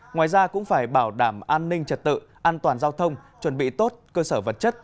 ngoài ra cũng phải bảo đảm an ninh trật tự an toàn giao thông chuẩn bị tốt cơ sở vật chất